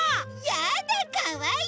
やだかわいい！